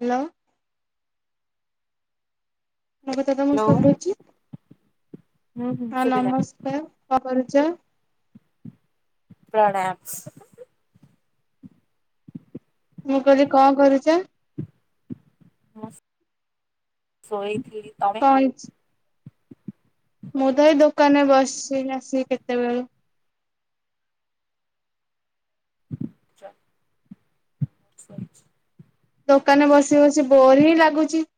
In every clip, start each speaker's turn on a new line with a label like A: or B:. A: Hello. ମୋ କଥା ତମକୁ
B: ହ୍ୟାଲୋ
A: ଶୁଭୁଚି
B: ହୁଁ ହୁଁ
A: ହଁ
B: ଶୁଭିଲା
A: ନମସ୍କାର, କଣ କରୁଚ?
B: ପ୍ରଣାମ।
A: ମୁଁ କଇଲି କଁ କରୁଚ?
B: ଶୋଇଥିଲି ତ
A: କଇଁଚ୍ ମୁଁ ତ ଏଇ ଦୋକାନରେ ବସିଚି ଆସି କେତେବେଳୁ।
B: [unintelligible]
A: ଦୋକାନେ ବସି ବସି ବୋର ହିଁ ଲାଗୁଚି।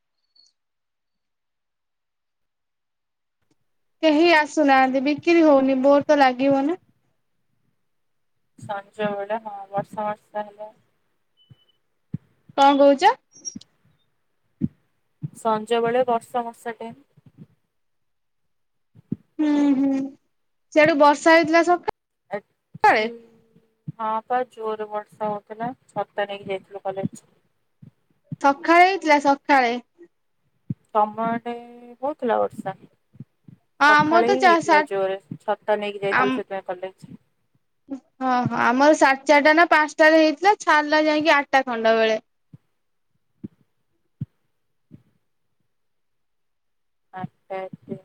A: କେହି ଆସୁନାଆନ୍ତି ବିକିରି ହଉନି ବୋର ତ ଲାଗିବ ନା।
B: ସଞ୍ଜ ବେଳେ ହଁ ବର୍ଷା ଅର୍ଷା ହେଲେ।
A: କଁ କୋଉଚ?
B: ସଞ୍ଜ ବେଳେ ବର୍ଷା ହର୍ଷା ଟାଇମ୍।
A: ହୁଁ ହୁଁ ସିଆଡୁ ବର୍ଷା ହେଇଥିଲା ସକା
B: [unintelligible] ହଁ ପା ଜୋରେ ବର୍ଷା ହଉଥିଲା ଛତା ନେଇକି ଯାଇଥିଲୁ କଲେଜ।
A: ସଖାଳେ ହେଇଥିଲା ସକାଳେ।
B: ତମ ଆଡ଼େ ହୋଉଥିଲା ବର୍ଷା?
A: ହଁ ଆମର ତ
B: ସଖାଳେ ହିଁ
A: ଚା ସା
B: ହେଇଥିଲା ଜୋରେ ଛତା ନେଇକି
A: ଆମ
B: ଯାଇଥିଲୁ ସେଥିପାଇଁ କଲେ
A: ହଁ ହଁ ଆମର ସା ଚାରଟା ନା ପାଁସଟା ରେ ହେଇଥିଲା ଛାଡ଼ିଲା ଯାଇକି ଆଟା ଖଣ୍ଡେ ବେଳେ।
B: ଆଟା [unintelligible]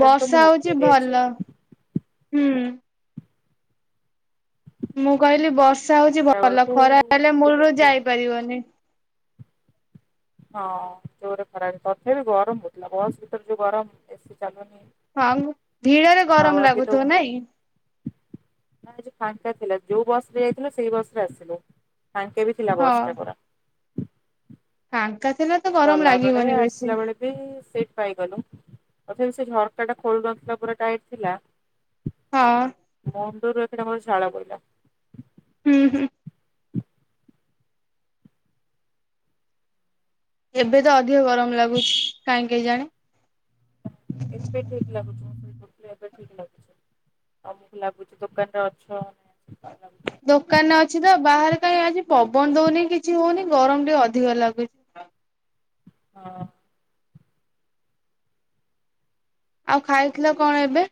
A: ବଷା ହଉଚି
B: ଆଜି
A: ଭଲ ହୁଁ। ମୁଁ କହିଲି ବର୍ଷା ହଉଚି
B: ଆଠଟା
A: ଭଲ
B: ବେଳକୁ
A: ଖରା ହେଲେ ମୂଳୁରୁ
B: ଟିକେ
A: ଯାଇପାରିବନି।
B: ହଁ ଜୋରେ ଖରାରେ ତଥାପି ଗରମ ହଉଥିଲା ବସ୍ ଭିତରେ ଯୋଉ ଗରମ ଏସି ଚାଲୁନି।
A: ଆଉଁ ଭିଡ଼ରେ
B: ହାୱା
A: ଗରମ ଲାଗୁଥିବ ନାଇଁ?
B: ନା ଆଜି ଫାଙ୍କା ଥିଲା ଯୋଉ ବସ ରେ ଯାଇଥିଲୁ ସେଇ ବସ ରେ ଆସିଲୁ ଫାଙ୍କେ ବି ଥିଲା ବସ୍
A: ହଁ।
B: ଟା ପରା।
A: ଫାଙ୍କା ଥିଲେ ତ ଗରମ
B: ଗଲା ବେଳେ
A: ଲାଗିବନି ବେଶୀ।
B: ଆସିଲା ବେଳେ ବି ସିଟ ପାଇଗଲୁ। ତଥାପି ସେ ଝରକା ଟା ଖୋଲୁନଥିଲା ପୁରା ଟାଇଟ୍ ଥିଲା।
A: ହଁ।
B: ମୁଣ୍ଡରୁ ଏଖିଣା ମୋର ଝାଳ ବୋହିଲା।
A: ଉଁ ହୁଁ। ଏବେ ତ ଅଧିକ ଗରମ ଲାଗୁଚି କାହିଁହି କେଜାଣି।
B: ଏବେ ଠିକ ଲାଗୁଚି ମୁଁ ଶୋଇପଡ଼ିଥିଲି ଏବେ ଠିକ ଲାଗୁଚି ତମକୁ ଲାଗୁଚି ଦୋକାନରେ ଅଛ। ସେଥିପାଇଁ ଲାଗୁଥିବ।
A: ଦୋକାନରେ ଅଛି ପା ବାହାରେ କାଇଁ ଆଜି ପବନ ଦୋଉନେଇ କିଛି ହୋଉନେଇ ଗରମ ଟିକେ ଅଧିକ ଲାଗୁଚି।
B: ହଁ।
A: ଆଉ ଖାଇଥିଲ କଣ ଏବେ?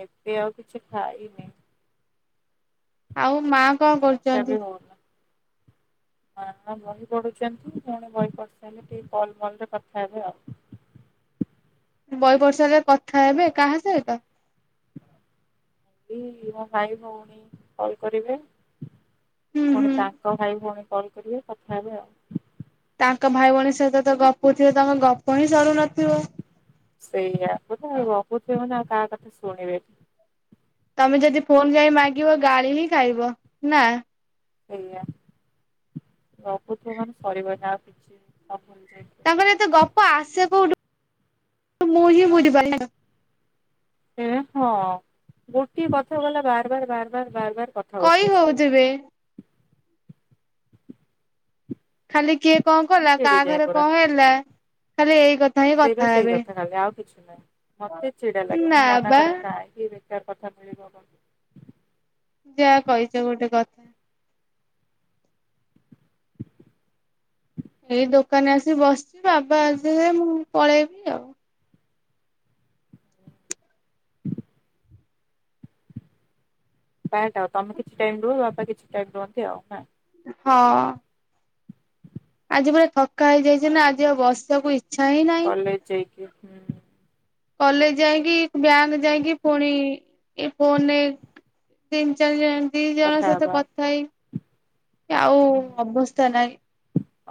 B: ଏବେ ଆଉ କିଛି ଖାଇନି।
A: ଆଉ ମା କଣ
B: ସେ
A: କରୁଛନ୍ତି?
B: ବି ହୋଉନା। ହଁ ବହି ପଢୁଚନ୍ତି ପୁଣି ବହି ପଢିସାଇଲେ ଟିକେ କଲ୍ ମଲରେ କଥା ହେବେ ଆଉ।
A: ବହି ପଢିସାଇଲେ କଥା ହେବେ କାହା ସହିତ?
B: ଏଇ ମୋ ଭାଇ ଭୋଉଣୀ କଲ କରିବେ।
A: ହୁଁ
B: ପୁଣି
A: ହୁଁ।
B: ତାଙ୍କ ଭାଇ ଭୋଉଣୀ କଲ କରିବେ କଥା ହେବେ ଆଉ।
A: ତାଙ୍କ ଭାଇ ଭୋଉଣୀ ସହିତ ତ ଗପୁଥିବେ ତମ ଗପ ହିଁ ସରୁନଥିବ।
B: ସେଇଆ ପୁରା ଆଉ ଗପୁଥୁବେ ମାନେ ଆଉ କାହା କଥା ଶୁଣିବେନି।
A: ତମେ ଯଦି ଫୋନ ଯାଇ ମାଗିବ ଗାଳି ହିଁ ଖାଇବ ନା।
B: ସେଇଆ ଗପୁଥୁବ ମାନେ ସରିବନି ଆଉ କିଛି। [unintelligible]
A: ତାଙ୍କର ଏତେ ଗପ ଆସେ କୋଉଠୁ ମୁଁ ହିଁ। [inaudible]
B: ଏ ହଁ ଗୋଟିଏ କଥାକୁ ଗଲା ବାରବାର ବାରବାର ବାରବାର କ
A: କଇ ହୋଉଥିବେ। ଖାଲି କିଏ କଣ
B: ମୁଁ
A: କଲା କାହା
B: ଚିଡିଯାଏ
A: ଘରେ
B: ପୁରା
A: କଣ ହେଲା ଖାଲି ଏଇ କଥା ହିଁ
B: ସେଇବା
A: କଥା
B: ସେଇ
A: ହେବେ।
B: ଖାଲି ଆଉ କିଛି ନାଇଁ ମତେ ଛିଡା ଲାଗେ
A: ନା
B: ମୁଁ
A: ବା
B: ମନାକରେ କାହିଁକି ଏଇ ବେକାର କଥା ମିଳିବ କ
A: ଯାହା କହିଚ ଗୋଟେ କଥା ଏଇ ଦୋକାନରେ ଆସିିକି ବସଚି ବାବା ଆସିଲେ ମୁଁ ପଳେଇବି ଆଉ।
B: ହ ପାଟ୍ ଆଉ ତମେ କିଛି ଟାଇମ ରୁହ ବାପା କିଛି ଟାଇମ୍ ରୁହନ୍ତି ଆଉ ନାଁ।
A: ହଁ। ଆଜି ପୁରା ଥକା ହେଇଯାଇଚି ନା ଆଜି ଆଉ ବସିବାକୁ ଇ
B: କଲେଜ ଯାଇକି ହୁଁ।
A: କଲେଜ ଯାଇଁକି ବ୍ୟାଙ୍କ ଯାଇଁକି ଫୁଣି ଇଏ ଫୋନରେ ତିନ ଚାରି ଜଣ ଦି ଜଣଙ୍କ
B: କଥା
A: ସହିତ
B: ହବା
A: କଥା ହେଇ ଆଉ ଅବସ୍ତା ନାଇଁ।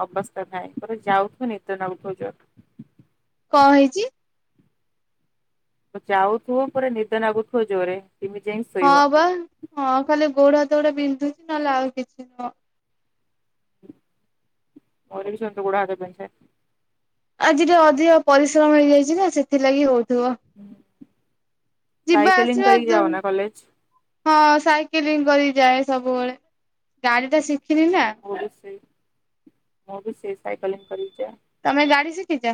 B: ଅବସ୍ତା ନାଇଁ ପୁରେ ଯାଉଥୁବ ନିଦ ନାଗୂଥୁବ ଜୋର୍।
A: କଣ ହେଇଚି?
B: ଯାଉଥୁବ ପୁରା ନିଦ ନାଗୁଥୁବ ଜୋରେ। କେମିତି ଯାଇକି
A: ହଁ
B: ଶୋଇବ
A: ପା ହଁ ଖାଲି ଗୋଢା ହାତଉଡା ବିନ୍ଧୁଚି ନହେଲେ ଆଉ କିଛି ନୁହଁ।
B: ମୋର ବି ସେମତି ଗୋଡ଼ ହାତ ବିନ୍ଧେ।
A: ଆଜି ଟିକେ ଅଧିକ ପରିଶ୍ରମ ହେଇଯାଇଚି ନା ସେଥିଲାଗି ହୋଉଥୁବ।
B: ସାଇକେଲିଙ୍ଗ୍
A: ଆସିବା
B: କରିକି
A: ଦୁ
B: ଯାଅ ନା କଲେଜ?
A: ହଁ ସାଇକେଲିଙ୍ଗ କରିକି ଯାଏ ସବୁବେଳେ ଗାଡିଟା ଶିଖିନି ନା।
B: ମୁଁ ବି ସେଇ ମୁଁ ବି ସେଇ ସାଇକେଲିଙ୍ଗ୍ କରିକି ଯାଏ।
A: ତମେ ଗାଡି ଶିଖିଚ?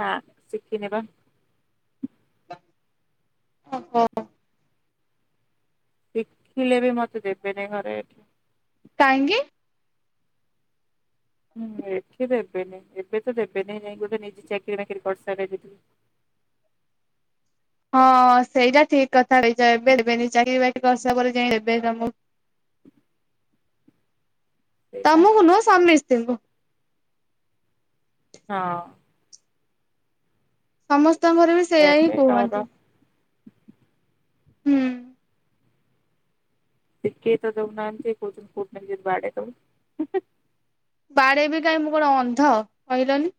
B: ନା ଶିଖିନି ପା।
A: ଓହୋ।
B: ଶିଖିଲେ ବି ମତେ ଦେବେନି ଘରେ ଏଠି।
A: କାହିଁକି?
B: ହୁଁ ଏଠି ଦେବେନି ଏବେ ତ ଦେବେନେଇ ଯାଇକି ବୋଧେ ନିଜେ ଚାକିରି ଫାକିରି କରିସାରିଲେ ଯଦି
A: ହଁ ସେଇଟା ଠିକ କଥା କହିଚ ଏବେ ଦେବେନି ଚାକିର ବାକିରି କରସା ପରେ ଯାଇ ଦେବେ ତମକୁ।
B: ସେଇଟା
A: ତମୁକୁ ନୁହଁ ସମିସ୍ତିଙ୍କୁ।
B: ହଁ।
A: ସମସ୍ତଙ୍କର ବି ସେଇୟା ହିଁ
B: ଏବେ ଡର
A: କୁହନ୍ତି। ହୁଁ।
B: କିଏ ତ ଦେଉନାହାନ୍ତି କହୁଛନ୍ତି କୋଉଠି ନେଇକି ବାଡେଇ ଦେବୁ।
A: ବାଡେଇବି କାହିଁ ମୁଁ କଣ ଅନ୍ଧ କହିଲନି।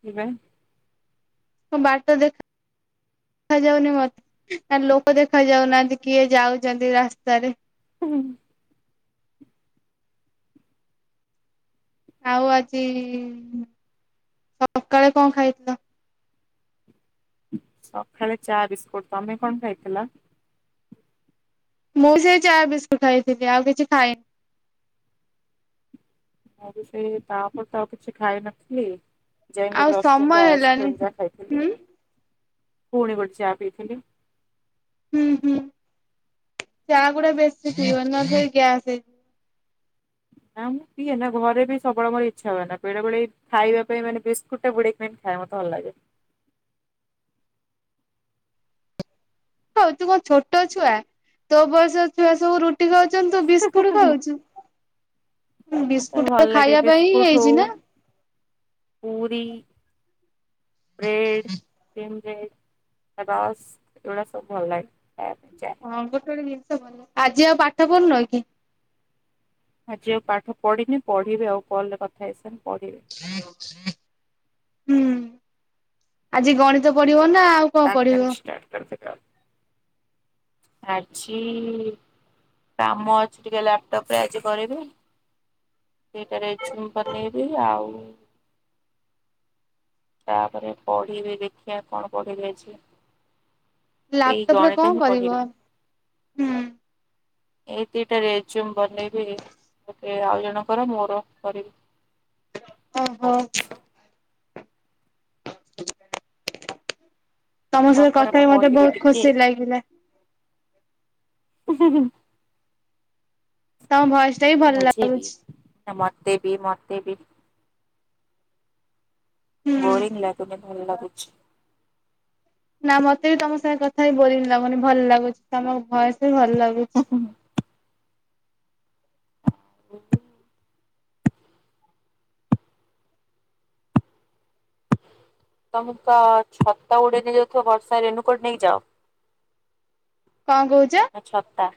B: କିବେ?
A: ହଁ ବାଟ ଦେଖା। ଦେଖାଯାଉନି ମତେ ନା ଲୋକ ଦେଖାଯାଉନାହାନ୍ତି କିଏ ଯାଉଛନ୍ତି ରାସ୍ତାରେ।
B: ହୁଁ।
A: ଆଉ ଆଜି ସକାଳେ କଣ ଖାଇଥିଲ?
B: ସକାଳେ ଚା ବିସ୍କୁଟ ତମେ କଣ ଖାଇଥିଲ?
A: ମୁଁ ସେ ଚା ବିସ୍କୁଟ ଖାଇଥିଲି ଆଉ କିଛି ଖାଇନି।
B: ମୁଁ ବି ସେ ତାପରେ ତ ଆଉ କିଛି ଖାଇ ନଥିଲି। ଯାଇକି
A: ଆଉ
B: ଗୋଟେ ଦଶ
A: ସମୟ
B: ଟଙ୍କିଆ
A: ହେଲାନି।
B: ଆଇସ୍କ୍ରିମ ଯା ଖାଇଥିଲି
A: ହୁଁ
B: ପୁଣି ଗୋଟେ ଚା ପିଇଥିଲି।
A: ହୁଁ ହୁଁ ଚା ଗୁଡା ବେଶୀ ପିଇବନି ନହେଲେ ଗ୍ୟାସ ହେଇଯିବ।
B: ନା ମୁଁ ପିଏ ନା ଘରେ ବି ସବୁବେଳେ ମୋର ଇଚ୍ଛା ହୁଏ ନା ବେଳେବେଳେ ଖାଇବା ପାଇଁ ମାନେ ବିସ୍କୁଟଟା ବୁଡେଇକି ମତେ ଖାଇବାକୁ ଭଲ ଲାଗେ।
A: ତୁ କଣ ଛୋଟ ଛୁଆ ତୋ ବୟସ ଛୁଆ ସବୁ ରୁ କହୁଛନ୍ତି ତୁ ବିସ୍କୁଟ ଖାଉଛୁ।
B: ମତେ ଭଲ
A: ବିସ୍କୁଟ
B: ଲାଗେ
A: ଖାଇବା ପାଇଁ ହିଁ
B: ବିସ୍କୁଟ ହଉ
A: ହେଇଛି ନା?
B: ପୁରୀ, ବ୍ରେଡ ଏଇଆଡେ ସବୁ
A: ହଁ ଗୋଟେ ଗୋଟେ ଜିନିଷ ଭଲ ଆଜି ଆଉ ପାଠ ପଢୁନ କି?
B: ଆଜି ଆଉ ପାଠ ପଢିନି ପଢିବି ଆଉ କଲରେ କଥା ହେଇସାରି ପଢିବି।
A: ହୁଁ ଆଜି ଗଣିତ ପଢିବ ନା ଆଉ। କଣ ପଢିବ?
B: ଆଟଷ୍ଟାର୍ଟ କର ଆଜି କାମ ଅଛି ଟିକେ ଲାପଟପରେ ଆଜି କରିବି। ସେଇଟାରେ ଝୁମ୍ ପନିର ଆଉ ତାପରେ ପଢିବି ଦେଖିବା କଣ ପଢି ଯାଇଛି। ସେଇ
A: ଲାପଟପ ରେ କଣ
B: ଗଣିତ ହିଁ
A: କରିବ
B: ପଢିବି।
A: ହୁଁ
B: ଏଇ ଦିଟା ରେଜୁମ ବନେଇବି ଗୋଟେ ଆଉ ଜଣଙ୍କର ମୋର କରିବି।
A: ଓହୋ। [inaudible] ତମ ସହିତ
B: ତାପରେ
A: କଥା ହେଇ ମତେ
B: ପଢିବି
A: ବହୁତ
B: ଟିକେ।
A: ଖୁସି ଲାଗିଲା।
B: [inaudible]
A: ତମ ଭୟସଟା ବି ଭଲ
B: ମୁଝେ ବି
A: ଲାଗୁଛି।
B: ମତେ ବି ମତେ ବି।
A: ହୁଁ।
B: ବୋରୀଙ୍ଗ ଲାଗୁନି ଭଲ ଲାଗୁଛି।
A: ନା ମତେ ବି ତମ ସାଙ୍ଗେ କଥା କି ବୋରିଂ ଲାଗୁନି। ଭଲ ଲାଗୁଛି ତମ ଭୟସ ବି ଭଲ
B: ହୁଁ
A: ଲାଗୁଛି।
B: ଆଉ ତମକୁ ତ ଛତା ଉଡେଇ ନେଇଯାଉଥିବ ବର୍ଷା ରେନୁକୋଟ ନେଇ ଯାଅ
A: କଣ କହୁଚ?
B: ନା ଛତା।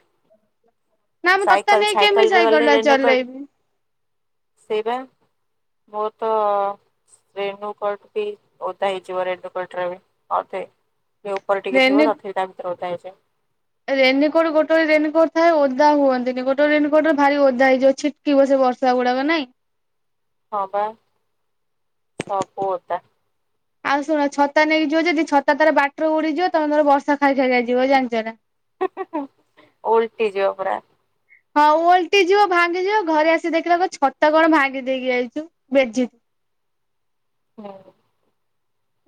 A: ମୁଁ ଛତା
B: ସାଇକେଲ
A: ନେଇ କେମିତି
B: ସାଇକେଲରେ
A: ସାଇକେଲ
B: ଗଲେ
A: ଟା
B: ରେନୁକୋଟ
A: ଚଲେଇବି।
B: ସେଇ ପା। ବହୁତ ରେନୁକୋଟ ବି ଓଦା ହେଇଯିବ ରେନୁକୋଟ ର ବି ବୋଧେ। ସେ ଉପରେ ଟିକେ ଥିବ ତଥ ତା ଭିତରେଥା ହୋଇ
A: ରେନକୋଟ୍ ଗୋଟେ ରେନକୋଟ ଏ ଓଦା ହୁଅନ୍ତିନି ଗୋଟେ ରେନକୋଟରେ ଭାରି ଓଦା ହେଇଯିବ ଅଛି। କିିବ ସେ ବର୍ଷା ଗୁଡାକ ନାଇଁ।
B: ହବା ସବୁତା।
A: ଆଉ ଶୁଣ ଛତା ନେଇିଯିବ ଯଦି ତା ତାର ବାଟରେ ଉଡିଯିବ ତମେର ବର୍ଷା ଖାଇ ଖାଇଆଯିବ ଜାଣିଛ ନା
B: ଉଲଟି ଯିବପରା
A: ହଁ ଓଲଟି ଯିବ ଭାଙ୍ଗିଯିବ ଘରେ ଆସି ଦେଖିଲ ଛତ କଣ ଭାଙ୍ଗି ଦେଇକି ଯାଇଛୁ ଭେଜଜି
B: ହୁଁ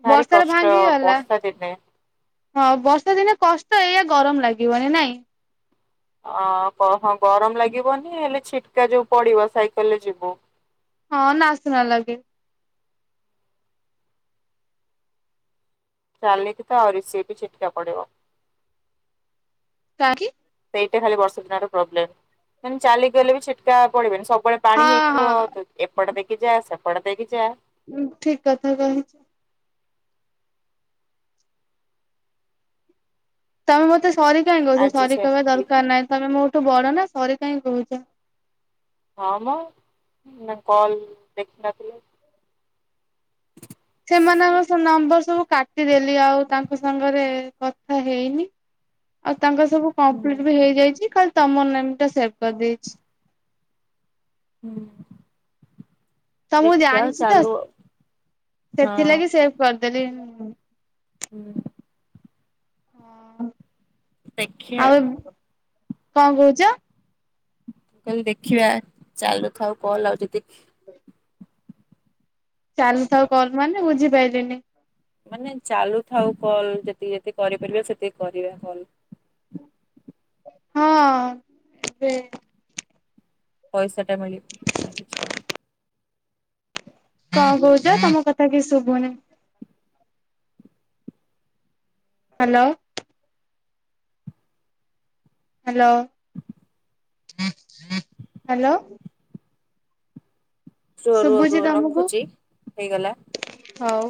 B: ଭାରି
A: ବର୍ଷାରେ
B: କଷ୍ଟ
A: ଭାଙ୍ଗିଗଲା
B: ବର୍ସ ଦିନେ
A: ହଁ ବର୍ଷା ଦିନେ କଷ୍ଟ ଏଇୟ ଗରମ ଲାଗିବନି ନାଇଁ
B: ଅ ହଁ ଗରମ ଲାଗିବନି ହେଲେ ଛିଟକା ଯୋଉ ପଡିବ ସାଇକେଲ ରେ ଯିବୁ
A: ହଁ ନାସନା ଲାଗେ
B: ଚାଲୀ କଥା ଆଉରିି ବି ଚିଟକା ପଡ଼େ
A: କାକି
B: ସେଇଟା ଖାଲି ବର୍ଷା ଦିନ ର ପ୍ରୋବ୍ଲେମ ମାନେ ଚାଲି ଗଲେ ବି ଛିଟକା ପଡିବନି ସବୁବେଳେ ପାଣି
A: ହଁ
B: ହେଇଥିବ
A: ହଁ
B: ତୁ ଏପଟ ଦେଇକି ଯା ସେପଟ ଦେଇକି ଯା
A: ଉଁ ଠିକ କଥା କହିଛି ତମେ ମତେ ସରି କାହିଁ କହୁଛ
B: ଆଜି
A: ସରି କହିବା
B: ସେମିତି
A: ଦରକାର ନାହିଁ ତମେ ମୋଠୁ ବଡ ନା ସରି କାହିଁ କହୁଛ
B: ହଁ ମା କଲ୍ ଦେଖିନଥିଲେି [inaudible]
A: ସେମାନଙ୍କ ସବ ନମ୍ବର ସବୁ କାଟିଦେଲି ଆଉ ତାଙ୍କ ସାଙ୍ଗରେ କଥା ହେଇନି ଆଉ ତାଙ୍କ ସବୁ
B: ହୁଁ
A: କମ୍ପ୍ଲିଟ ବି ହେଇଯାଇଛି କାଲି ତମ ନ ଟା ସେଭ କରିଦେଇଛି
B: ହୁଁ
A: ତ ମୁଁ
B: ଦେଖିବା
A: ଜାଣିଛି ତ
B: ଚାଲୁ ହଁ
A: ସେଥିଲାଗି ସେ କରିଦେଲି
B: ହୁଁ
A: ହଁ
B: ଦେଖିବା
A: ଆଉ
B: ମୁଁ
A: କଣ କହୁଛ
B: କହିଲେ ଦେଖିବା ଚାଲ ରଥାଉ କଲ ଆଉ ଯଦି
A: ହ ଚାଲୁଥାଉ କଲ ମାନେ ବୁଝିପାରିଲନି
B: ମାନେ ଚାଲୁଥାଉ କଲ୍ ଯେତିକି ଯେତିକି କରିପାରିବା ସେତିକି କରିବା କଲ
A: ହଁ ଏବେ
B: ପଇସାଟା ମିଳିବ କି
A: କଣ କହୁଛ ତମ କଥା କି ଶୁଭୁନି ହ୍ୟାଲୋ ହ୍ୟାଲୋ ହ୍ୟାଲୋ
B: ର ରୁ
A: ଶୁଭୁଛି
B: ରୁ
A: ତମକୁ
B: ରଖୁଛି ହେଇଗଲା
A: ହଉ